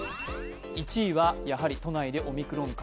１位は、やはり都内でオミクロン株。